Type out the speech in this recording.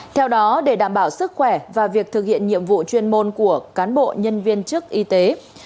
theo đó để đảm bảo sức khỏe và việc thực hiện nhiệm vụ chuyên môn của cán bộ nhân viên chức y tế